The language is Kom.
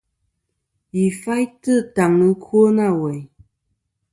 Yi faytɨ taŋ ɨkwo nâ weyn.